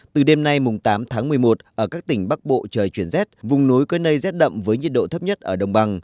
từ đêm nay tám tháng một mươi một ở các tỉnh bắc bộ trời chuyển rét vùng núi có nơi rét đậm với nhiệt độ thấp nhất ở đồng bằng